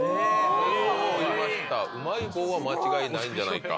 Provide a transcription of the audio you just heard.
そろいましたうまい棒は間違いないんじゃないか。